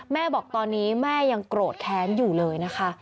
แม่บอกตอนนี้แม่ยังโกรธแค้นอยู่เลยนะคะ